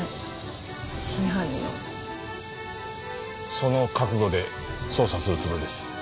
その覚悟で捜査するつもりです。